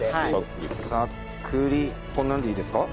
こんなのでいいですか？